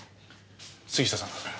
杉下さん。